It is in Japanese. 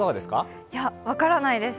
分からないです。